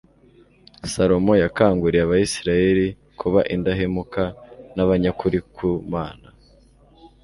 salomo yakanguriye abisirayeli kuba indahemuka n'abanyakuri ku mana